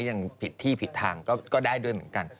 ยังผิดที่ผิดทางก็ได้ด้วยเหมือนกัน